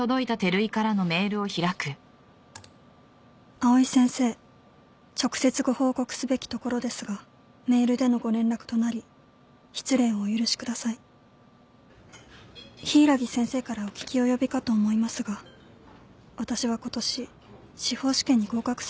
「藍井先生直接ご報告すべきところですがメールでのご連絡となり失礼をお許しください」「柊木先生からお聞き及びかと思いますが私は今年司法試験に合格することができませんでした」